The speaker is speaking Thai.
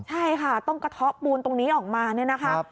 ใช่ค่ะต้องกระเทาะปูนตรงนี้ออกมาเนี่ยนะคะ